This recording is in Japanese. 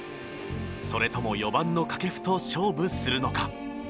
それとも４番の掛布と勝負するのか。